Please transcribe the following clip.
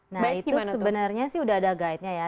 nah itu sebenarnya sih udah ada guide nya ya